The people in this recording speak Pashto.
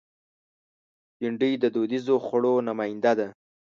بېنډۍ د دودیزو خوړو نماینده ده